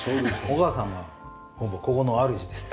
お義母さんがほぼここの主です。